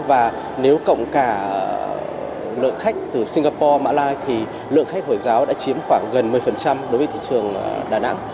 và nếu cộng cả lượng khách từ singapore mã lai thì lượng khách hồi giáo đã chiếm khoảng gần một mươi đối với thị trường đà nẵng